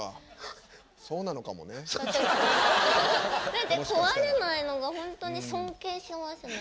だって壊れないのがホントに尊敬しますね